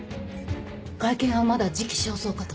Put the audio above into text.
会見はまだ時期尚早かと。